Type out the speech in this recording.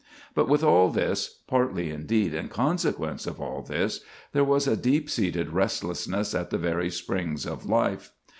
But with all this,—partly, indeed, in consequence of all this,—there was a deep seated restlessness at the very springs of life.